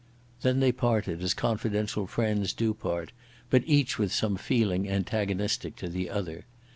Then they parted as confidential friends do part, but each with some feeling antagonistic to the other.